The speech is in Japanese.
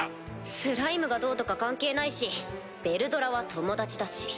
スライムがどうとか関係ないしヴェルドラは友達だし。